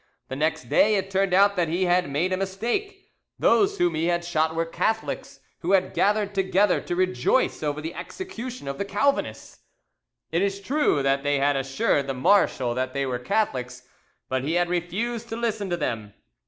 The next day it turned out that he had made a mistake: those whom he had shot were Catholics who had gathered together to rejoice over the execution of the Calvinists. It is true that they had assured the marshal that they were Catholics, but he had refused to listen to them.